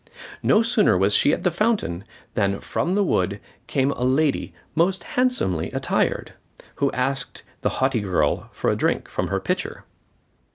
No sooner was she at the fountain than from the wood came a lady most handsomely attired, who asked the haughty girl for a drink from her pitcher.